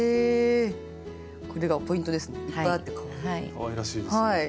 かわいらしいですよね。